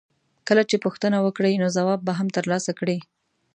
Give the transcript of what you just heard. کله چې پوښتنه وکړې نو ځواب به هم ترلاسه کړې.